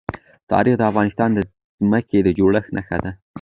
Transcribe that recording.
تاریخ د افغانستان د ځمکې د جوړښت نښه ده.